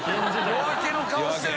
夜明けの顔してる。